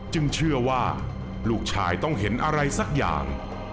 เชื่อว่าลูกชายต้องเห็นอะไรสักอย่าง